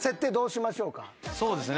そうですね。